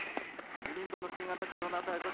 自民党の新型コロナ対策